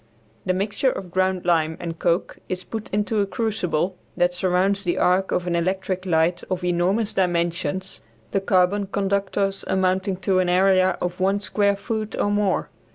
The mixture of ground lime and coke is put into a crucible that surrounds the arc of an electric light of enormous dimensions; the carbon conductors amounting to an area of one square foot or more.